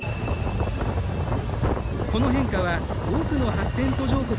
この変化は多くの発展途上国に見られる。